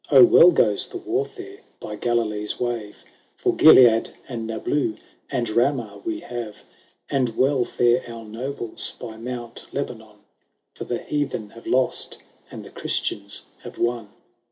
O well goes the warfare by Galilee's wave, For Gilead, and Nablous, and Raman we have; And well fare our nobles by Mount Lebanon, For the Heathen have lost, and the Christians have won."